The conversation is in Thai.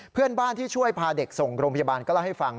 เพื่อนบ้านที่ช่วยพาเด็กส่งโรงพยาบาลก็เล่าให้ฟัง